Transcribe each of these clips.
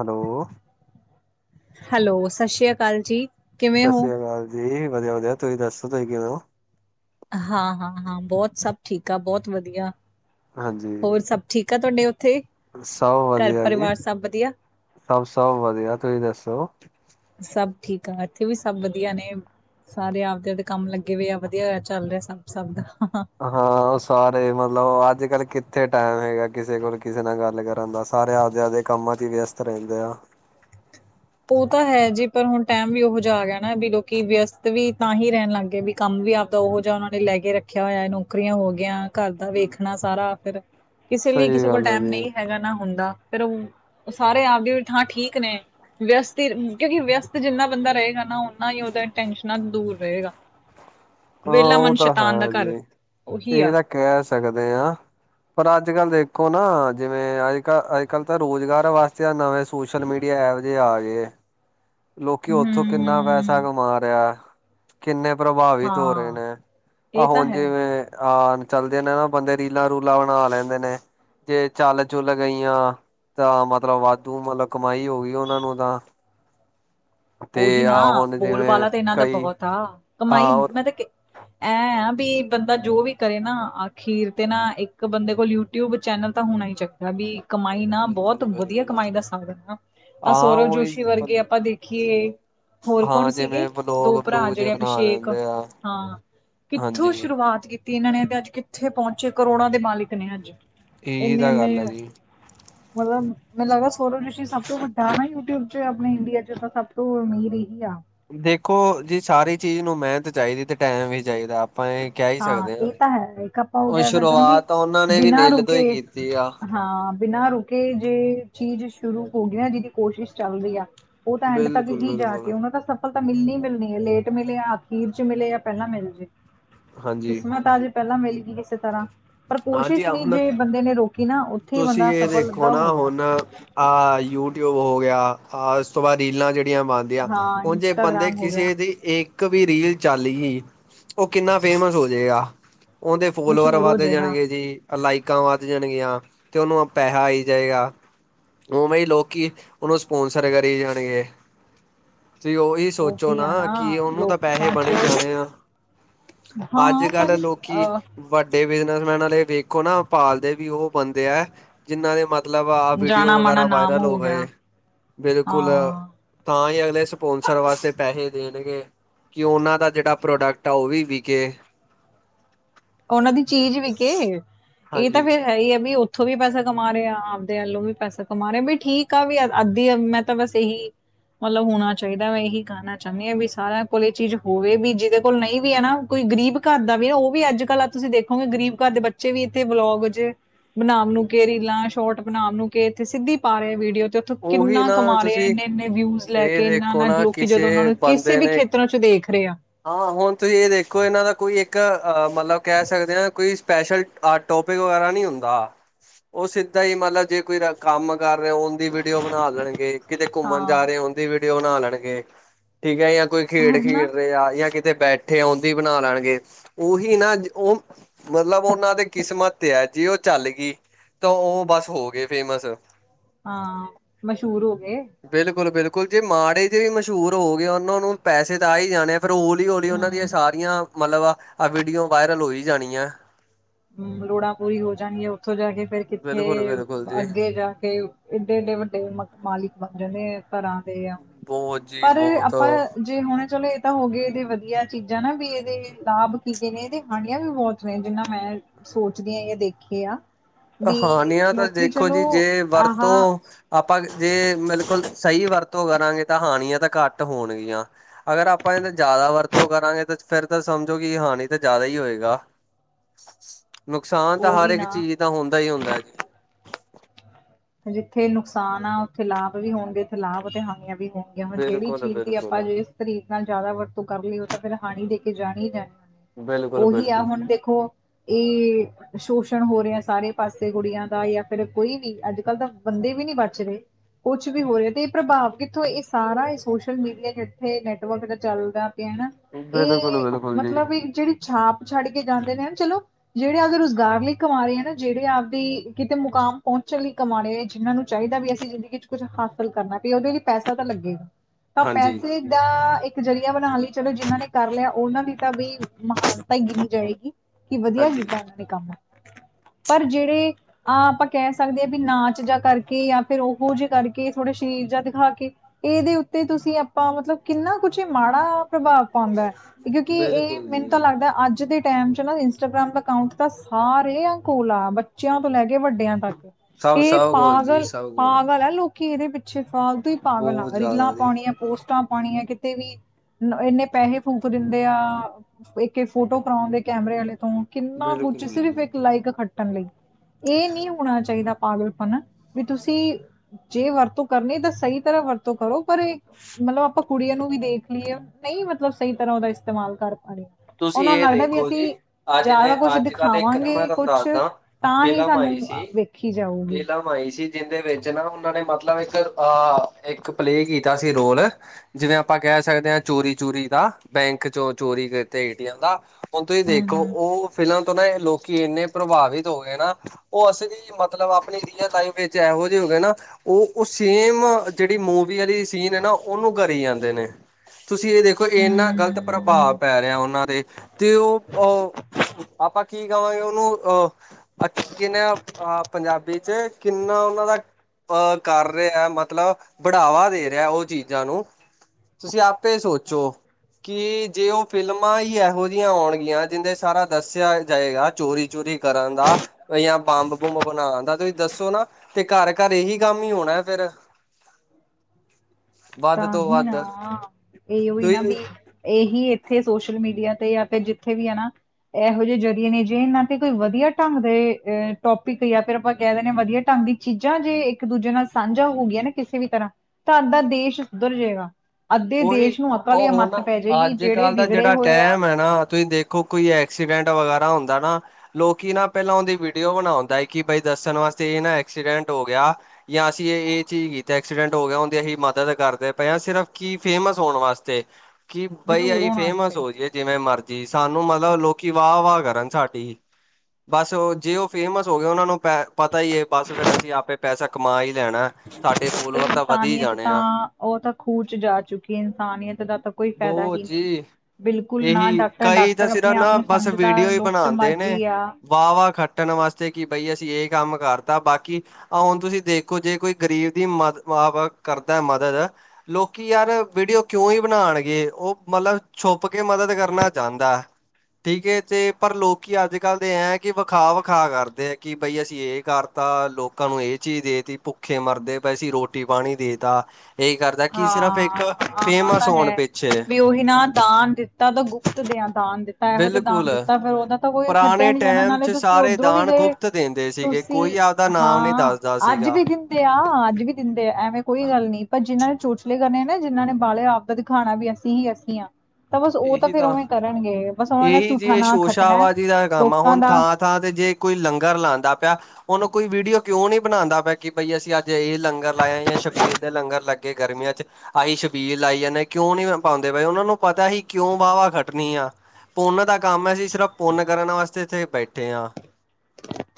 Hello! Hello! ਸਤਿ ਸ਼੍ਰੀ ਆ ਕਾਲ ਜੀ। ਕਿਵੇਂ ਸਤਿ ਹੋ? ਸ੍ਰੀ ਅਕਾਲ ਜੀ! ਵਧੀਆ-ਵਧੀਆ ਤੁਸੀ ਦੱਸੋ, ਤੁਸੀ ਕਿਵੇਂ ਹੋ? ਹਾਂ-ਹਾਂ-ਹਾਂ! ਬਹੁਤ ਸਭ ਠੀਕ ਆ, ਬਹੁਤ ਵਧੀਆ ਹਾਂਜੀ, ਹੋਰ ਸਭ ਠੀਕ ਆ ਤੁਹਾਡੇ ਉੱਥੇ? ਸਭ ਘਰ ਵਧੀਆ ਜੀ ਪਰਿਵਾਰ ਸਭ ਵਧੀਆ? ਸਭ ਸਭ ਵਧੀਆ ਤੁਸੀਂ ਦੱਸੋ। ਸਭ ਠੀਕ ਆ ਇੱਥੇ ਵੀ ਸਭ ਵਧੀਆ ਨੇ ਸਾਰੇ ਆਪਦੇ ਆਪਦੇ ਕੰਮ ਲੱਗੇ ਹੋਏ ਆ ਵਧੀਆ ਹੋਇਆ ਚੱਲ ਰਿਹਾ ਸਭ ਸਭ ਦਾ ਹਾਂ ਉਹ ਸਾਰੇ ਮਤਲਬ ਅੱਜ ਕੱਲ੍ਹ ਕਿੱਥੇ ਟਾਈਮ ਹੈਗਾ ਕਿਸੇ ਕੋਲ ਕਿਸੇ ਨਾਲ ਗੱਲ ਕਰਨ ਦਾ ਸਾਰੇ ਆਪਦੇ ਆਪਦੇ ਕੰਮਾਂ'ਚ ਵਿਅਸਤ ਰਹਿੰਦੇ ਆ। ਉਹ ਤਾਂ ਹੈ ਜੀ ਪਰ ਹੁਣ ਟਾਈਮ ਵੀ ਉਹ ਜਿਹਾ ਆ ਗਿਆ ਨਾ ਵੀ ਲੋਕੀ ਵਿਅਸਤ ਵੀ ਤਾਂ ਹੀ ਰਹਿਣ ਲੱਗ ਗਏ ਵੀ ਕੰਮ ਵੀ ਆਪਦਾ ਉਹੋ ਜਿਹਾ ਉਹਨਾਂ ਨੇ ਲੈ ਕੇ ਰੱਖਿਆ ਹੋਇਆ ਨੌਕਰੀਆਂ ਹੋ ਗਈਆਂ। ਘਰ ਦਾ ਵੇਖਣਾ ਸਾਰਾ ਫਿਰ ਕਿਸੇ ਲਈ ਸਹੀ ਕਿਸੇ ਕੋਲ ਗੱਲ ਹੈ ਟਾਈਮ ਜੀ, ਨਹੀਂ ਹੈਗਾ ਨਾ ਹੁੰਦਾ। ਫਰ ਸਾਰੇ ਆਪਦੀ ਹੋ ਥਾਂ ਠੀਕ ਨੇ ਵਿਅਸਤ ਕਿਉਂਕਿ ਵਿਅਸਤ ਜਿੰਨਾ ਬੰਦਾ ਰਹੇਗਾ ਨਾ ਉਨਾ ਹੀ ਉਹਦਾ ਟੈਸ਼ਨਾਂ ਤੋਂ ਦੂਰ ਰਹੇਗਾ। ਹਾਂ ਵਿਹਲਾ ਉਹ ਮਨ ਤਾਂ ਸ਼ੈਤਾਨ ਦਾ ਹੈ ਘਰ ਜੀ। ਉਹੀ ਇਹ ਆ ਤਾਂ ਕਹਿ ਸਕਦੇ ਹਾਂ। ਪਰ ਅੱਜ ਕੱਲ੍ਹ ਦੇਖੋ ਨਾ ਜਿਵੇਂ ਅੱਜ ਕੱਲ ਅੱਜ ਕੱਲ ਤਾਂ ਰੁਜ਼ਗਾਰ ਵਾਸਤੇ ਆ ਨਵੇਂ ਸੋਸ਼ਲ ਮੀਡੀਆ ਐਪ ਜੇਹੇ ਆ ਗਏ ਲੋਕੀ ਉੱਥੋਂ ਕਿੰਨਾ ਪੈਸਾ ਹਮ ਕਮਾ ਰਿਹਾ। ਕਿੰਨੇ ਪ੍ਰਭਾਵਿਤ ਹੋ ਰਹੇ ਹਾਂ ਨੇ ਆ ਇਹ ਤਾਂ ਹੁਣ ਹੈ ਜਿਵੇਂ ਹਾਂ ਚਲਦੇ ਨੇ ਨਾ ਬੰਦੇ ਰੀਲਾਂ ਰੂਲਾਂ ਬਣਾ ਲੈਂਦੇ ਨੇ ਜੇ ਚੱਲ ਚੂਲ ਗਈਆਂ ਤਾਂ ਮਤਲਬ ਵਾਧੂ ਮਤਲਬ ਕਮਾਈ ਹੋ ਗਈ ਉਹਨਾਂ ਨੂੰ ਤਾਂ ਉਹੀ ਤੇ ਨਾ ਆਹ ਹੁਣ ਜਿਵੇਂ ਬੋਲਬਾਲਾ ਤਾਂ ਇਹਨਾਂ ਦਾ ਕਈ ਬਹੁਤ ਆ ਹਾਂ ਕਮਾਈ ਔਰ ਮੈਂ ਤੇ ਐ ਆ ਵੀ ਬੰਦਾ ਜੋ ਵੀ ਕਰੇ ਨਾ ਆਖੀਰ ਤੇ ਨਾ ਇੱਕ ਬੰਦੇ ਕੋਲ ਟਿਊਬ ਚੈਨਲ ਤਾਂ ਹੋਣਾ ਈ ਚਾਹੀਦਾ ਵੀ ਕਮਾਈ ਨਾ ਬਹੁਤ ਬਿਲਕੁਲ ਵਧੀਆ ਬਿਲਕੁਲ ਕਮਾਈ ਦਾ ਸਾਧਨ ਆ ਅਹ ਹਾਂ ਸੌਰਵ ਜੋਸ਼ੀ ਉਹੀ ਵਰਗੇ ਆਪਾਂ ਦੇਖ ਕਿ ਹੋਰ ਕੌਣ ਹਾਂ ਸੀਗੇ ਜਿਵੇਂ ਵਲੋਗ ਦੋ ਭਰਾ ਵਲੂਗ ਜੇ ਜਿਹੜੇ ਬਣਾ ਅਭਿਸ਼ੇਕ ਦਿੰਦੇ ਆ ਹਾਂ ਕਿੱਥੋਂ ਹਾਂਜੀ ਸ਼ੁਰੂਆਤ ਕੀਤੀ ਇਹਨਾਂ ਨੇ ਤੇ ਅੱਜ ਕਿੱਥੇ ਪਹੁੰਚੇ ਕਰੋੜਾਂ ਦੇ ਮਾਲਿਕ ਨੇ ਅੱਜ ਇਹੀ ਇੰਨੇ ਤਾਂ ਗੱਲ ਇੰਨੇ ਹੈ ਜੀ। ਮਤਲਬ ਮੈਨੂੰ ਲੱਗਦਾ ਸੌਰਭ ਜੋਸ਼ੀ ਸਭ ਤੋਂ ਵੱਡਾ ਨਾ ਯੂਟਿਊਬ ਚ ਆਪਣੇ ਇੰਡੀਆ ਚ ਤਾਂ ਸਭ ਤੋਂ ਅਮੀਰ ਇਹੀ ਆ ਦੇਖੋ ਜੀ ਸਾਰੀ ਚੀਜ਼ ਨੂੰ ਮਿਹਨਤ ਚਾਹੀਦੀ ਤੇ ਟਾਈਮ ਵੀ ਚਾਹੀਦਾ। ਆਪਾਂ ਇਹ ਕਹਿ ਹੀ ਸਕਦੇ ਹਾਂ ਇਹ ਤਾਂ ਹੈ ਇੱਕ ਆਪਾਂ ਉਹ ਕਹਿ ਸਕਦੇ ਨਾ ਵੀ ਸ਼ੁਰੂਆਤ ਉਹਨਾਂ ਨੇ ਵੀ ਬਿਨਾਂ ਨਿੱਲ ਤੋਂ ਈ ਰੁਕੇ ਕੀਤੀ ਆ। ਹਾਂ ਬਿਨਾਂ ਰੁਕੇ ਜੇ ਚੀਜ਼ ਸ਼ੁਰੂ ਹੋ ਗਈ ਨਾ ਜਿਹਦੀ ਕੋਸ਼ਿਸ਼ ਚੱਲ ਰਹੀ ਆ। ਉਹ ਤਾਂ ਐਂਡ ਤੱਕ ਬਿਲਕੁਲ ਹੀ ਜਾ ਕੇ ਬਿਲਕੁਲ ਉਹਨਾਂ ਦਾ ਸ ਸਫਲਤਾਂ ਮਿਲਣੀ ਮਿਲਣੀ ਐ ਲੇਟ ਮਿਲੇ ਅਖੀਰ ਚ ਮਿਲੇ ਜਾਂ ਪਹਿਲਾਂ ਮਿਲ ਜੇ। ਹਾਂਜੀ ਕਿਸਮਤ ਆਜੇ ਪਹਿਲਾਂ ਮਿਲਗੀ ਕਿਸੇ ਤਰ੍ਹਾਂ ਪਰ ਹਾਂਜੀ ਕੋਸ਼ਿਸ਼ ਆ ਨੀ ਹੁਣ ਜੇ ਬੰਦੇ ਨੇ ਰੋਕੀ ਨਾ ਉੱਥੇ ਹੀ ਤੁਸੀਂ ਬੰਦਾ ਇਹ ਸਫਲ ਦੇਖੋ ਅੱਧਾ ਨਾ ਹੋ ਗਿਆ। ਹੁਣ ਆਹ ਯੂਟਿਊਬ ਹੋ ਗਿਆ ਆ ਉਸ ਤੋਂ ਬਾਅਦ ਰੀਲਾਂ ਜਿਹੜੀਆਂ ਬਣ ਹਾਂ ਹੁਣ ਜੇ ਬੰਦੇ ਇੰਸਟਾਗ੍ਰਾਮ ਹੋ ਗਿਆ ਕਿਸੇ ਦੀ ਇੱਕ ਵੀ ਰੀਲ ਚੱਲ ਗਈ, ਉਹ ਕਿੰਨਾ ਫੇਮਸ ਹੋ ਜਾਏਗਾ ਉਹਦੇ ਫੋਲੋਵਰ ਮਸ਼ਹੂਰ ਵ ਹੋ ਜਾਏਗਾ ਜੀ ਅਲਾਇਕਾਂ ਵੱਧ ਜਾਣਗੀਆਂ ਤੇ ਉਹਨੂੰ ਪੈਸਾ ਆਈ ਜਾਏਗਾ। ਉਵੇਂ ਹੀ ਲੋਕੀ, ਉਹਨੂੰ ਸਪੋਂਸਰ ਕਰੀ ਜਾਣਗੇ, ਤੇ ਉਹੀ ਉਹ ਸੋਚੋ ਵੀ ਆ ਨਾ ਕਿ ਉਹਨੂੰ ਤਾਂ ਪੈਸੇ ਲੋਕਾਂ ਬਣੇ ਹੀ ਚ ਜਾਣੇ ਆ। ਹਾਂ ਅੱਜ ਪਰ ਕੱਲ੍ਹ ਲੋਕੀ ਅ ਵੱਡੇ ਬਿਜਨਸਮੈਨ ਵਾਲੇ ਵੇਖੋ ਨਾ ਪਾਲਦੇ ਵੀ ਉਹ ਬੰਦੇ ਐ ਜਿਹਨਾਂ ਦੇ ਮ ਮਤਲਬ ਆ ਵੀਡੀਓ ਜਾਣਾ ਮਾਣਾ ਵਗੈਰਾ ਨਾਮ ਵਾਇਰਲ ਹੋ ਗਏ, ਗਿਆ ਬਿਲਕੁਲ ਹਾਂ, ਤਾਂ ਹੀ ਅਗਲੇ ਸਪੋਂਸਰ ਵਾਸਤੇ ਪੈਸੇ ਦੇਣਗੇ। ਕਿ ਉਹਨਾਂ ਦਾ ਜਿਹੜਾ ਪ੍ਰੋਡਕਟ ਆ ਉਹ ਵੀ ਵਿਕੇ ਉਹਨਾਂ ਦੀ ਚੀਜ਼ ਵਿਕੇ, ਇਹ ਹਾਂਜੀ ਤਾਂ ਫੇਰ ਹੈ ਈ ਐ ਵੀ ਉੱਥੋਂ ਵੀ ਪੈਸਾ ਕਮਾ ਰਹੇ ਆ ਆਪਦੇ ਵਲੋਂ ਵੀ ਪੈਸਾ ਕਮਾ ਰਹੇ ਵੀ ਠੀਕ ਆ ਵੀ ਅੱਧੀ ਮੈਂ ਤਾਂ ਬਸ ਏਹੀ ਮਤਲਬ ਹੋਣਾ ਚਾਹੀਦਾ ਐ ਮੈਂ ਇਹੀ ਕਹਿਣਾ ਚਾਹੁੰਨੀ ਆ ਵੀ ਸਾਰਿਆਂ ਕੋਲ ਇਹ ਚੀਜ਼ ਹੋਵੇ ਵੀ ਜਿਹਦੇ ਕੋਲ ਨਈ ਵੀ ਐ ਨਾ ਕੋਈ ਗ਼ਰੀਬ ਘਰ ਦਾ ਵੀ ਨਾ ਉਹ ਵੀ ਅੱਜ-ਕੱਲ੍ਹ ਤੁਸੀਂ ਦੇਖੋਗੇ ਗਰੀਬ ਘਰ ਦੇ ਬੱਚੇ ਵੀ ਇੱਥੇ ਬਲੋਗ ਜੇ ਬਣਾ ਬਣੂ ਕਿ ਰੀਲਾਂ ਸ਼ੋਰਟ ਬਣਾ ਬਣੂ ਕਿ ਇੱਥੇ ਸਿੱਧੀ ਪਾ ਰਹੇ ਵੀਡੀਓ ਤੇ ਤੂੰ ਉਹੀ ਕਿੰਨਾ ਨਾ ਕਮਾ ਰੇ ਐ, ਤੁਸੀਂ ਇਨੇ-ਇਨੇ ਵਿਊਜ਼ ਲੈ ਇਹ ਕੇ ਦੇਖੋ ਇਨਾਂ-ਇਨਾਂ ਨਾ ਲੋਕੀ ਕਿਸੇ ਜਦੋਂ ਉਨਾਂ ਨੂੰ ਕਿਸੇ ਬੰਦੇ ਵੀ ਨੇ ਖੇਤਰਾ ਚ ਦੇਖ ਰੇ ਆ। ਹਾਂ, ਹੁਣ ਤੁਸੀਂ ਏਹ ਦੇਖੋ ਇਹਨਾਂ ਦਾ ਕੋਈ ਇੱਕ ਮਤਲਬ ਕੈ ਸਕਦੇ ਆਂ ਕੋਈ ਸਪੈਸ਼ਲ ਆ ਟੋਪਿਕ ਵਗੈਰਾ ਨੀ ਹੁੰਦਾ। ਓਹ ਸਿੱਧਾ ਹੀ ਮਤਲਬ ਜੇ ਕੋਈ ਰੈ ਕੰਮ ਕਰ ਰੇ ਹੋਣ ਦੀ ਵੀਡੀਓ ਬਣਾ ਲੈਣਗੇ ਕਿਤੇ ਘੁੰਮਣ ਹਾਂ ਜਾ ਰੇ ਹੋਣ ਔਦੀ ਵੀਡੀਓ ਬਣਾ ਲੈਣਗੇ ਠੀਕ ਐ, ਜਾ ਕੋਈ ਪਰ ਨਾ ਖੇਡ-ਖੇਡ ਰੇ ਆ ਯਾ ਕਿਤੇ ਬੈਠੇ ਔੰਦੀ ਬਣਾ ਲੈਣਗੇ, ਓਹੀ ਨਾ ਓਮ ਮਤਲਬ ਔਨਾਂ ਦੇ ਕਿਸਮਤ ਤੇ ਐ ਜੇ ਓਹ ਚੱਲ ਗੀ ਤਾਂ ਓ ਬਸ ਹੋ ਗਏ ਫੇਮਸ। ਹਾਂ, ਮਸੂ਼ਰ ਹੋਗੇ। ਬਿਲਕੁਲ-ਬਿਲਕੁਲ ਜੀ, ਮਾੜੇ ਜੇ ਵੀ ਮਸੂ਼ਰ ਹੋਗੇ ਉਨਾਂ ਨੂੰ ਪੈਸੇ ਤਾਂ ਆ ਹੀ ਜਾਣੇ ਆ। ਫਿਰ ਹੌਲੀ-ਹੌਲੀ ਉਨਾਂ ਦੀਆਂ ਹਮ ਸਾਰੀਆਂ ਮਤਲਬ ਆ ਵੀਡੀਓ ਵਾਇਰਲ ਹੋਈ ਜਾਣੀਐ। ਹੂੰ, ਲੋੜਾਂ ਪੂਰੀ ਹੋ ਜਾਣੀਆਂ ਓਥੋਂ ਜਾ ਕੇ ਫੇਰ ਕਿੱਥੇ, ਬਿਲਕੁਲ-ਬਿਲਕੁਲ ਜੀ ਅੱਗੇ ਜਾ ਕੇ ਇਡੇ-ਇਡੇ ਵੱਡੇ ਮ ਮਾਲਿਕ ਬਣ ਜਾਣੇ ਘਰਾਂ ਦੇ ਆ, ਬਹੁਤ ਜੀ ਪਰ ਬਹੁਤ ਆਪਾਂ ਜੇ ਹੁਣ ਚਲੋ ਏ ਤਾਂ ਹੋਗੇ ਏਦੇ ਵਧੀਆ ਚੀਜ਼ਾਂ ਨਾ ਵੀ ਇਦੇ ਲਾਭ ਕੀ ਕੀ ਨੇ ਇਦੇ ਹਾਨੀਆਂ ਵੀ ਬੋਤ ਨੇ ਜਿੰਨਾ ਮੈਂ ਸੋਚਦੀ ਆ ਯਾ ਦੇਖੇ ਆ। ਅ ਵੀ ਹਾਨੀਆਂ ਤਾਂ ਲੋਕੀ ਦੇਖੋ ਚਲੋ ਜੀ ਜੇ ਵਰਤੋਂ ਆਹਾ ਆਪਾਂ ਜੇ ਮਿਲਕੁਲ ਸਹੀ ਵਰਤੋਂ ਕਰਾਂਗੇ ਤਾਂ ਹਾਣੀਆਂ ਤਾਂ ਘੱਟ ਹੋਣਗੀਆਂ। ਅਗਰ ਆਪਾਂ ਏਦਾ ਜਾਦਾ ਵਰਤੋਂ ਕਰਾਂਗੇ ਤੇ ਫੇਰ ਤਾਂ ਸਮਝੋ ਕਿ ਹਾਣੀ ਤੇ ਜਾਦਾ ਹੀ ਹੋਏਗਾ। ਨੁਕਸਾਨ ਤਾਂ ਹਰ ਉਹੀ ਏਕ ਨਾ ਚੀਜ਼ ਦਾ ਹੁੰਦਾ ਈ ਹੁੰਦਾ ਐ। ਜਿੱਥੇ ਨੁਕਸਾਨ ਆ ਉੱਥੇ ਲਾਭ ਵੀ ਹੋਣਗੇ, ਜਿਥੇ ਲਾਭ ਤੇ ਹਾਨੀਆਂ ਵੀ ਹੋਣ ਗੀਆਂ ਹੁਣ, ਜੇੜੀ ਚੀਜ਼ ਦੀ ਬਿਲਕੁਲ-ਬਿਲਕੁਲ, ਅਪਾਂ ਜੇ ਤਰੀਕ ਨਾਲ ਜਾਦਾ ਵਰਤੋਂ ਕਰ ਲੀ ਓ ਤਾਂ ਫਿਰ ਹਾਨੀ ਦੇ ਕੇ ਜਾਣੀ ਈ ਜਾਣੀ ਆ, ਓਹੀ ਬਿਲਕੁਲ-ਬਿਲਕੁਲ। ਆ ਹੁਣ ਦੇਖ ਖੋ ਈ ਸ਼ੋਸ਼ਣ ਹੋ ਰਿਆ ਸਾਰੇ ਪਾਸੇ ਕੁੜੀਆਂ ਦਾ ਯਾ ਫਿਰ ਕੋਈ ਵੀ ਅੱਜ ਕੱਲ ਤਾਂ ਬੰਦੇ ਵੀ ਨੀ ਬਚ ਰੇ। ਕੁਛ ਵੀ ਹੋਏ ਤੇ ਏ ਪ੍ਰਭਾਵ ਕਿੱਥੋਂ ਏ ਸਾਰਾ ਏ ਸੋਸ਼ਲ ਮੀਡੀਆ ਜਿਥੇ ਨੈਟਵਰਕ ਦਾ ਚੱਲਦਾ ਪਿਆ ਨਾ ਏ ਬਿਲਕੁਲ ਬਿਲਕੁਲ ਜੀ। ਮਤਲਬ ਇਹ ਜਿਹੜੀ ਛਾਪ ਛੱਡ ਕੇ ਜਾਂਦੇ ਨੇ ਨਾ ਚਲੋ ਜੇੜੇ ਆਪਦੇ ਰੁਜ਼ਗਾਰ ਲਈ ਕਮਾ ਰੇ ਐ ਨਾ ਜੇੜੇ ਆਪਦੀ ਕਿਤੇ ਮੁਕਾਮ ਪੋੰਚਣ ਲਈ ਕਮਾਣੇ ਜਿਨਾਂ ਨੂੰ ਚਾਈਦੈ ਵੀ ਅਸੀਂ ਜ਼ਿੰਦਗੀ ਚ ਕੁਛ ਹਾਸਲ ਕਰਨਾ ਤੀ ਓਦੇ ਲਈ ਪੈਸਾ ਤਾਂ ਲੱਗੇਗਾ। ਤਾਂ ਹਾਂਜੀ ਪੈਸੇ ਦਾ ਇੱਕ ਜ਼ਰੀਆ ਬਣਾਨ ਲਈ ਚਲੋ ਜਿਨਾਂ ਨੇ ਕਰ ਲਿ ਆ ਓਨਾਂ ਦੀ ਤਾਂ ਬਈ ਮਹਾਨਤਾ ਈ ਗਿਣੀ ਜਾਏਗੀ। ਕਿ ਵਧੀਆ ਹਾਂਜੀ ਕੀਤਾ ਓਨਾਂ ਦੇ ਕੰਮ ਪਰ ਜੇੜੇ ਆਹ ਆਪਾਂ ਕੈ ਸਕਦੇ ਆਂ ਬੀ ਨਾਚ ਜਿਹਾ ਕਰਕੇ ਯਾ ਫਿਰ ਉਹੋ ਜੇ ਕਰਕੇ ਥੋੜੇ ਸਰੀਰ ਜਿਹਾ ਦਿਖਾ ਕੇ ਏਦੇ ਉੱਤੇ ਤੁਸੀਂ ਆਪਾਂ ਮਤਲਬ ਕਿੰਨਾ ਕੁਛ ਮਾੜਾ ਪ੍ਰਭਾਵ ਪਾਉਂਦਾ ਕਿਉਂਕਿ ਏ ਬਿਲਕੁਲ ਮੈਨੂੰ ਜੀ। ਤਾਂ ਲੱਗਦਾ ਅੱਜ ਦੇ ਟੈਮ ਚ ਨਾ ਇੰਸਟਾਗ੍ਰਾਮ ਦਾ ਅਕਾਊਂਟ ਤਾਂ ਸਾਰੇਆ ਕੋਲ ਆ, ਬੱਚਿਆਂ ਤੋਂ ਲੈ ਕੇ ਵੱਡਿਆਂ ਤੱਕ। ਸਭ ਏ ਸਭ ਕੋਲ ਜੀ ਪਾਗਲ ਸਭ ਕੋਲ ਪਾਗਲ ਐ ਲੋਕੀ ਏਦੇ ਪਿੱਛੇ ਫਾਲਤੂ ਹੀ ਪਾਗਲ ਆ, ਬਹੁਤ ਰੀਲਾਂ ਜ਼ਿਆਦਾ ਜੀ ਪਾਉਣੀਆਂ ਪੋਸਟਾਂ ਪਾਣੀਆਂ ਕਿਤੇ ਵੀ। ਇੰਨੇ ਪੈਹੇ ਫੂਕ ਦਿੰਦੇ ਆ ਇੱਕ ਇਕ ਫੋਟੋ ਕਰਾਉਣ ਦੇ ਕੈਮਰੇ ਆਲੇ ਤੋਂ। ਕਿੰਨਾ ਕੁਛ ਬਿਲਕੁਲ ਸਿਰਫ ਬਿਲਕੁਲ। ਇੱਕ ਲਾਇਕ ਖੱਟਣ ਲਈ, ਏਹ ਨੀ ਹੋਣਾ ਚਾਈਦਾ। ਪਾਗਲਪਨ ਆ, ਵੀ ਤੁਸੀਂ ਜੇ ਵਰਤੋਂ ਕਰਨੀ ਤਾਂ ਸਹੀ ਤਰ੍ਹਾਂ ਵਰਤੋ ਤੋ ਕਰੋ ਪਰ ਏ ਮਤਲਬ ਅਪਾਂ ਕੁੜੀਆਂ ਨੂੰ ਵੀ ਦੇਖ ਲੀਏ ਨਈਂ ਮਤਲਬ ਸਹੀ ਤਰ੍ਹਾਂ ਓਹਦਾ ਇਸਤਮਾਲ ਕਰ ਪਾਰੀਆ। ਤੁਸੀਂ ਓਨਾਂ ਨੂੰ ਇਹ ਲੱਗਦੈ ਵੀ ਦੇਖੋ ਅਸੀਂ ਜੀ ਅੱਜ ਨੇ ਜੈਦਾ ਕੁਛ ਅੱਜ ਕੱਲ੍ਹ ਇੱਕ ਨਾ ਦਿਖਾਵਾਂਗੇ ਮੈਂ ਤੁਹਾਨੂੰ ਕੁਛ ਦੱਸਦਾ ਤਾਂ ਹੀ ਸਾਨੂੰ ਅ ਵੇਖੀ ਜਾਊਗੀ। ਉਹ ਏ ਸੀ ਜਿਣਦੇ ਵੇਚ ਨਾ ਓਨਾਂ ਨੇ ਮਤਲਬ ਇਕ ਆ ਇੱਕ ਪਲੇਅ ਕੀਤਾ ਸੀ ਰੋਲ। ਜਿਵੇਂ ਆਪਾਂ ਕੈ ਸਕਦੇ ਆਂ ਚੋਰੀ-ਚੂਰੀ ਦਾ, ਬੈਂਕ ਚੋ ਚੋਰੀ ਤੇ ਏਟੀਐਮ ਦਾ। ਹੁਣ ਤੁਸੀਂ ਹੂੰ ਦੇਖੋ ਓਹ ਫਿਲਮ ਤੋਂ ਨਾ ਏ ਲੋਕੀ ਇੰਨੇ ਪ੍ਰਭਾਵਿਤ ਹੋ ਗਏ ਨਾ ਓਹ ਅਸਲੀ ਮਤਲਬ ਆਪਣੀ ਰੀਅਲ ਲਾਈਫ ਵਿੱਚ ਐਹੋ ਜੇ ਹੋ ਗੇ ਨਾ ਓ ਉਹ ਸੇਮ ਜੇੜੀ ਮੂਵੀ ਵਾਲੀ ਸੀਨ ਐ ਨਾ ਓਨੂੰ ਕਰੀ ਜਾਂਦੇ ਨੇ। ਤੁਸੀਂ ਏ ਦੇਖ ਹੂੰ ਦੇ ਇੰਨਾ ਗ਼ਲਤ ਹੂੰ ਪ੍ਰਭਾਵ ਪੈ ਰਿਹਾ ਉਹਨਾਂ ਦੇ, ਤੇ ਉਹ ਅਹ ਆਪਾਂ ਕੀ ਕਵਾਂਗੇ ਉਹਨੂੰ, ਅਹ ਅ ਕੀ ਕਿਨੇ ਅ ਪੰਜਾਬੀ 'ਚ ਕਿੰਨਾ ਉਹਨਾਂ ਦਾ? ਅਹ ਕਰ ਰਿਹਾ, ਮਤਲਬ ਬੜਾਵਾ ਦੇ ਰਿਹਾ ਉਹ ਚੀਜ਼ਾਂ ਨੂੰ। ਤੁਸੀਂ ਆਪੇ ਸੋ, ਚੋ ਕਿ ਜੇ ਉਹ ਫਿਲਮ ਫਿਲਮਾਂ ਹੀ ਇਹੋ ਜਿਹੀਆਂ ਆਣਗੀਆਂ ਜਿੰਦੇ ਸਾਰਾ ਦੱਸਿਆ ਜਾਏਗਾ ਚੋਰੀ ਚੂਰੀ ਕਰਨ ਦਾ, ਜਾਂ ਬੰਬ ਬੁਬ ਬਣਾਉਣ ਦਾ, ਤੁਸੀਂ ਦੱਸੋ ਨਾ,, ਤੇ, ਘਰ ਘਰ ਇਹੀ ਕੰਮ ਹੀ ਹੋਣਾ ਫੇਰ। ਵੱਧ ਤੋਂ ਤਾਂਹੀ ਨਾ ਵੱਧ ਇਹ ਉਹਾਂ ਹੀ ਨਾ ਤੁਸੀਂ ਬਈ ਇਹੀ ਇੱਥੇ ਸੋਸ਼ਲ ਮੀਡੀਆ ਤੇ ਜਾਂ ਫਿਰ ਜਿੱਥੇ ਵੀ ਹੈ ਨਾ ਇਹੋ ਜਿਹੇ ਜ਼ਰੀਏ ਨੇ, ਜੇ ਇਹਨਾਂ ਤੇ ਕੋਈ ਵਧੀਆ ਢੰਗ ਦੇ ਅ ਟੋਪਿਕ, ਜਾਂ ਫਿਰ ਆਪਾਂ ਕਹਿ ਦੇਦੇ ਹਾਂ ਵਧੀਆ ਢੰਗ ਦੀ ਚੀਜ਼ਾਂ ਜੇ ਇੱਕ ਦੂਜੇ ਨਾਲ ਸਾਂਝਾ ਹੋਗੀਆਂ ਨਾ ਕਿਸੇ ਵੀ ਤਰ੍ਹਾਂ, ਤਾਂ ਅੱਧਾ ਦੇਸ਼ ਸੁਧਰ ਜਾਏਗਾ। ਅੱਧੇ ਉਹੀ, ਦੇਸ਼ ਨੂੰ ਅਕਲ ਜਾਂ ਉਹ ਹੁਣ ਮੱਤ ਨਾ ਪੈ ਜਾਏਗੀ ਅੱਜ ਜਿਹੜੇ ਕੱਲ ਦਾ ਵਿਗੜੇ ਜਿਹੜਾ ਹੋਏ ਆ ਟੈਮ ਹੈ ਨਾ ਤੁਸੀਂ ਦੇਖ ਦੇਖੋ ਕੋਈ ਐਕਸੀਡੈਂਟ ਵਗੈਰਾ ਹੁੰਦਾ ਨਾ ਲੋਕੀ ਨਾ ਪਹਿਲਾਂ ਉਹਦੀ ਵੀਡੀਓ ਬਣਾਉਂਦਾ, ਕਿ ਬਈ ਦੱਸਣ ਵਾਸਤੇ ਇਹ ਨਾ ਐਕਸੀਡੈਂਟ ਹੋ ਗਿਆ। ਜਾਂ ਅਸੀਂ ਇਹ ਇਹ ਚੀਜ਼ ਕੀਤਾ ਐਕਸੀਡੈਂਟ ਹੋ ਗਿਆ, ਉਹਦੀ ਅਸੀਂ ਮਦਦ ਕਰਦੇ ਪਏ ਹਾਂ ਸਿਰਫ ਕੀ ਫੇਮਸ ਹੋਣ ਵਾਸਤੇ, ਕਿ ਬਾਈ ਮਸ਼ਹੂਰ ਅਸੀਂ ਹੋਣ ਫੇਮਸ ਵਾਸਤੇ ਹੋ ਜਾਈਏ। ਜਿਵੇਂ ਮਰਜੀ ਸਾਨੂੰ ਮਤਲਬ ਲੋਕੀ ਵਾਹ ਵਾਹ ਕਰਨ ਸਾਡੀ। ਬਸ ਉਹ ਜੇ ਉਹ ਫੇਮਸ ਹੋ ਗਏ, ਉਹਨਾਂ ਨੂੰ ਪੈ ਪਤਾ ਹੀ ਹੈ ਬਸ ਫੇਰ ਅਸੀਂ ਆਪੇ ਪੈਸਾ ਕਮਾ ਹੀ ਲੈਣਾ। ਸਾਡੇ ਫੋਲੋਅਰ ਤਾਂ ਵਧੀ ਇਨਸਾਨੀਅਤ ਜਾਣੇ ਆ ਤਾਂ ਉਹ ਤਾਂ ਖੂਹ ਚ ਜਾ ਚੁੱਕੀ ਹੈ, ਇਨਸਾਨੀਅਤ ਦਾ ਤਾਂ ਕੋਈ ਫਾਇਦਾ ਹੀ ਨਹੀਂ ਬੋਜੀ। ਬਿਲਕੁਲ ਨਾ ਇਹੀ ਡਾਕਟਰ ਕਈ ਡਾਕਟਰ ਤਾਂ ਆਪਣੇ ਸਿਰਫ ਆਪ ਨਾ ਨੂੰ ਬਸ ਸਮਝਦਾ ਵੀਡੀਓ ਹੀ ਲੁੱਟ ਬਣਾਂਦੇ ਨੇ। ਮਾਜੀ ਆ ਵਾਹ -ਵਾਹ ਖੱਟਣ ਵਾਸਤੇ ਕਿ ਬਈ ਅਸੀਂ ਇਹ ਕੰਮ ਕਰਤਾ ਬਾਕੀ ਆ ਹੁਣ ਤੁਸੀਂ ਦੇਖੋ ਜੇ ਕੋਈ ਗਰੀਬ ਦੀ ਮਦ ਵਾਹ-ਵਾਹ ਕਰਦੈ ਮਦਦ ਲੋਕੀ ਯਾਰ ਵੀਡੀਓ ਕਿਉਂ ਹੀ ਬਣਾਂਣਗੇ, ਉਹ ਮਤਲਬ ਛੁਪ ਕੇ ਮਦਦ ਕਰਨਾ ਚਾਹੁੰਦੈ। ਠੀਕ ਏ ਤੇ ਪਰ ਲੋਕੀ ਅੱਜ ਕੱਲ ਦੇ ਐਂ ਕਿ ਵਿਖਾ ਵਿਖਾ ਕਰਦੇ ਹੈ ਕਿ ਬਈ ਅਸੀਂ ਇਹ ਕਰ ਤਾਂ ਲੋਕਾਂ ਨੂੰ ਇਹ ਚੀਜ਼ ਦੇਤੀ ਭੁੱਖੇ ਮਰਦੇ ਪਏ ਸੀਂ ਰੋਟੀ ਪਾਣੀ ਦੇ ਤਾ ਇਹੀ ਕਰਦਾ ਕਿ ਸਿਰਫ ਹਾਂ ਇੱਕ ਆਂ ਫੇਮਸ ਤਾਂ ਹੋਣ ਹੈ, ਪਿੱਛੇ ਵੀ ਉਹੀ ਨਾ ਦਾਨ ਦਿੱਤਾ ਤਾਂ ਗੁਪਤ ਦੇਆਂ ਦਾਨ ਦਿੱਤਾ। ਇਹੋ ਜਿਹਾ ਦਾਨ ਬਿਲਕੁਲ ਦਿੱਤਾ ਫੇਰ ਉਹਦਾ ਤਾਂ ਕੋਈ ਖੱਟਿਆ ਪੁਰਾਣੇ ਨੀ ਜਾਣਾ, ਟਾਈਮ ਨਾਲੇ 'ਚ ਤੁਸੀਂ ਸਾਰੇ ਓਧਰੋਂ ਵੀ ਦਾਨ ਗਏ। ਗੁਪਤ ਦਿੰਦੇ ਸੀਗੇ ਕੋਈ ਆਪਦਾ ਨਾਮ ਨਹੀਂ ਹਾਂ ਦੱਸਦਾ ਅੱਜ ਸੀਗਾ। ਵੀ ਦਿੰਦੇ ਆ ਅੱਜ ਵੀ ਦਿੰਦੇ ਆ, ਐਵੇਂ ਕੋਈ ਗੱਲ ਨੀ ਪਰ ਜਿਹਨਾਂ ਚੋਚਲੇ ਕਰਨੇ ਨਾ ਜਿਹਨਾਂ ਨੇ ਬਾਲੇ ਆਪਦਾ ਦਿਖਾਣਾ ਵੀ ਅਸੀਂ ਹੀ ਅਸੀਂ ਹਾਂ। ਤਾਂ ਬਸ ਉਹ ਤਾਂ ਫੇਰ ਉਵੇਂ ਕਰਨਗੇ, ਬਸ ਉਹਨਾਂ ਨੇ ਇਹੀ ਝੂਠਾ ਜੇ ਨਾ ਖੱਟਣੈ ਲੋਕਾਂ ਦਾ। ਥਾਂ ਤੇ ਜੇ ਕੋਈ ਲੰਗਰ ਲਾਂਦਾ ਪਿਆ ਉਹਨੂੰ ਕੋਈ ਵੀਡੀਓ ਕਿਉਂ ਨੀ ਬਣਾਂਦਾ ਪਿਆ ਕਿ ਬਈ ਅਸੀਂ ਅੱਜ ਇਹ ਲੰਗਰ ਲਾਇਆ ਯਾ ਸ਼ਬੀਲ ਦੇ ਲੰਗਰ ਲੱ ਗੇ ਗਰਮੀਆਂ ਚ ਆਈ ਸ਼ਬੀਲ ਲਾਈ ਜਾਂਨੇ ਕਿਉਂ ਨੀ ਪਾਂਦੇ ਪਏ, ਉਹਨਾਂ ਨੂੰ ਪਤਾ ਹੀ ਕਿਉਂ ਵਾਹਵਾ ਖੱਟਣੀ ਆ ਪੁੰਨ ਦਾ ਕੰਮ ਹੈ ਅਸੀਂ ਸਿਰਫ਼ ਪੁੰਨ ਕਰਨ ਵਾਸਤੇ ਇੱਥੇ ਬੈਠੇ ਹਾਂ!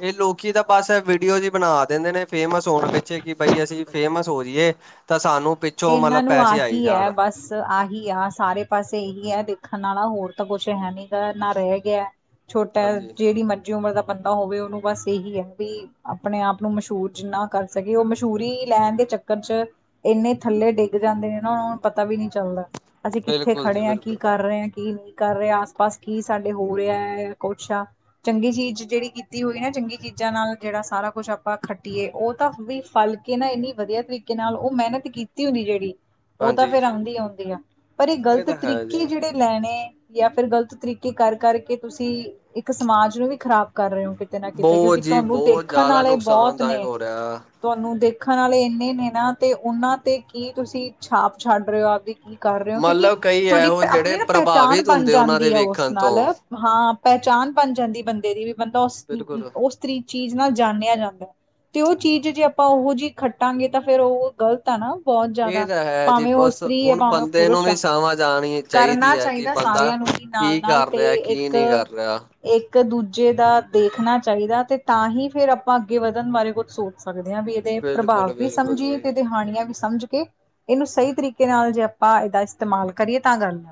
ਇਹ ਲੋਕੀ ਦਾ ਬਸ ਇਹ ਵੀਡੀਓ ਜਹੀ ਬਣਾ ਦਿੰਦੇ ਨੇ ਫੇਮਸ ਹੋਣ ਪਿੱਛੇ ਕਿ ਬਾਈ ਅਸੀਂ ਫੇਮਸ ਹੋ ਜਈਏ, ਤਾਂ ਸਾਨੂੰ ਪਿੱ ਇਹਨਾਂ ਨੂੰ ਆਹੀ ਹੈ ਬਸ। ਆਹੀ ਆ ਸਾਰੇ ਪਾਸੇ ਇਹੀ ਹੈ ਦੇਖਣ ਵਾਲਾ, ਹੋਰ ਤਾਂ ਕੁਛ ਹੈ ਨੀ ਗਾ, ਨਾ ਰਹਿ ਗਿਆ। ਛੋਟਾ ਹਾਂਜੀ ਜਿਹੜੀ ਮਰਜੀ ਉਮਰ ਦਾ ਬੰਦਾ ਹੋਵੇ, ਉਹਨੂੰ ਬਸ ਇਹੀ ਹੈ ਵੀ ਆਪਣੇ ਆਪ ਨੂੰ ਮਸ਼ਹੂਰ ਜਿੰਨਾ ਕਰ ਸਕੇ, ਉਹ ਮਸ਼ਹੂਰੀ ਲੈਣ ਦੇ ਚੱਕਰ ਚ ਇੰਨੇ ਥੱਲੇ ਡਿੱਗ ਜਾਂਦੇ ਨੇ ਨਾ ਉਹਨਾਂ ਨੂੰ ਪਤਾ ਵੀ ਨਹੀਂ ਚੱਲਦਾ, ਅਸੀਂ ਕਿੱਥੇ ਬਿਲਕੁਲ ਜੀ ਖੜੇ ਹਾਂ ਕੀ ਬਿਲਕੁਲ ਕਰ ਰਹੇ ਹਾਂ ਕੀ ਨਹੀਂ? ਕਰ ਰਿਹੈ ਆਸ ਪਾਸ ਕੀ ਸਾਡੇ ਹੋ ਰਿਹੈ? ਕੁਛ ਆ ਚੰਗੀ ਚੀਜ਼ ਜਿਹੜੀ ਕੀਤੀ ਹੋਈ ਨਾ, ਚੰਗੀ ਚੀਜ਼ਾਂ ਨਾਲ ਜਿਹੜਾ ਸਾਰਾ ਕੁੱਛ ਆਪਾਂ ਖੱਟੀਏ, ਉਹ ਤਾਂ ਵੀ ਫਲ ਕਿ ਨਾ ਇੰਨੀ ਵਧੀਆ ਤਰੀਕੇ ਨਾਲ ਉਹ ਮਿਹਨਤ ਕੀਤੀ। ਦੀ ਜਿਹੜੀ ਉਹ ਤਾਂ ਹਾਂਜੀ ਫੇਰ ਆਉਂਦੀ ਆਉਂਦੀ ਆ, ਪਰ ਇਹ ਗ਼ਲਤ ਤਾਂ ਹੈ ਤਰੀਕੇ ਜੀ ਜਿਹੜੇ ਲੈਣੇ ਜਾਂ ਫਿਰ ਗ਼ਲਤ ਤਰੀਕੇ ਕਰ ਕਰਕੇ, ਤੁਸੀਂ ਇੱਕ ਸਮਾਜ ਨੂੰ ਵੀ ਖ਼ਰਾਬ ਕਰ ਰਹੇ ਹੋ ਕਿ? ਕਿਤੇ ਨਾ ਕਿਤੇ, ਕਿਉਂਕਿ ਬਹੁਤ ਜੀ ਤੁਹਾਨੂੰ ਬਹੁਤ ਦੇਖਣ ਜ਼ਿਆਦਾ ਆਲੇ ਬਹੁਤ ਨੁਕਸਾਨਦਾਇਕ ਨੇ। ਹੋ ਰਿਹਾ ਤੁਹਾਨੂੰ ਦੇਖਣ ਆਲੇ ਇੰਨੇ ਨੇ ਨਾ ਤੇ ਉਹਨਾਂ ਤੇ ਕੀ ਤੁਸੀਂ ਛਾਪ ਛੱਡ ਰਹੇ ਹੋ? ਆਪਦੇ ਕੀ ਕਰ ਰਹੇ ਹੋ, ਕਿਉਂਕਿ ਮਤਲਬ ਕਈ ਤੁਹਾਡੀ ਇਹੋ ਜਿਹੜੇ ਆਪਣੀ ਨਾ ਪਹਿਚਾਣ ਪ੍ਰਭਾਵਿਤ ਬਣ ਹੁੰਦੇ ਉਹਨਾਂ ਦੇ ਜਾਂਦੀ ਹੈ ਉਸ ਵੇਖਣ ਨਾਲ ਤੋਂ ਹਾਂ, ਪਹਿਚਾਣ ਬਣ ਜਾਂਦੀ ਬੰਦੇ ਦੀ ਵੀ ਬੰਦਾ ਬਿਲਕੁਲ ਉਸ-ਉਸ ਤਰੀ ਚੀਜ਼ ਨਾਲ ਜਾਣਿਆ ਜਾਂਦੈ। ਤੇ ਉਹ ਚੀਜ਼ ਜੇ ਆਪਾਂ ਉਹੋ ਜਿਹੀ ਖੱਟਾਂਗੇ ਤਾਂ ਫੇਰ ਉਹ ਗ਼ਲਤ ਆ ਨਾ? ਬਹੁਤ ਇਹ ਜ਼ਿਆਦਾ ਤਾਂ ਹੈ ਜੀ ਭਾਵੇਂ ਉਹ ਬਸ ਇਸਤਰੀ ਹੈ ਹੁਣ ਭਾਵੇਂ ਉਹ ਬੰਦੇ ਨੂੰ ਪੁਰਸ਼ ਵੀ ਆ ਸਮਝ ਆਉਣੀ ਕਰਨਾ ਚਾਹੀਦੀ ਹੈ ਕਿ ਚਾਹੀਦਾ ਬੰਦਾ ਸਾਰਿਆਂ ਨੂੰ ਹੀ। ਕੀ ਨਾਲ-ਨਾਲ ਕਰ ਤੇ ਰਿਹਾ ਕੀ ਇੱਕ ਨਹੀਂ ਕਰ ਰਿਹਾ ਇੱਕ ਦੂਜੇ ਦਾ ਦੇਖਣਾ ਚਾਹੀਦਾ ਤੇ ਤਾਂ ਹੀ ਫੇਰ ਆਪਾਂ ਅੱਗੇ ਵਧਣ ਬਾਰੇ ਕੁੱਝ ਸੋਚ ਸਕਦੇ ਹਾਂ ਵੀ ਇਹਦੇ ਪ੍ਰਭਾਵ ਬਿਲਕੁਲ ਵੀ ਬਿਲਕੁਲ ਸਮਝੀਏ ਜੀ ਤੇ ਇਹਦੇ ਹਾਣੀਆਂ ਵੀ ਸਮ ਸਮਝ ਕੇ, ਇਹਨੂੰ ਸਹੀ ਤਰੀਕੇ ਨਾਲ ਜੇ ਆਪਾਂ ਇਹਦਾ ਇਸਤੇਮਾਲ ਕਰੀਏ ਤਾਂ ਗੱਲ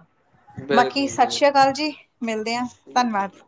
ਬਾਕੀ ਬਿਲਕੁਲ ਸਤਿ ਜੀ ਸ੍ਰੀ ਅਕਾਲ ਜੀ ਮਿਲਦੇ ਹਾਂ ਠੀਕ ਹੈ ਜੀ ਧੰਨਵਾਦ।